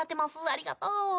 ありがとう。